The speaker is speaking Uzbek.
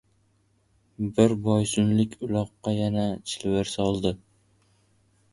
Bir boysunlik uloqqa yana chilvir soldi.